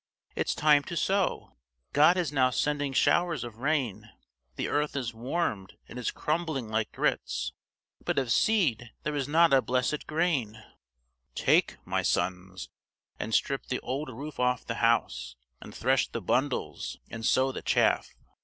It's time to sow. God is now sending showers of rain; the earth is warmed and is crumbling like grits; but of seed there is not a blessed grain," "Take, my sons, and strip the old roof off the house, and thresh the bundles and sow the chaff."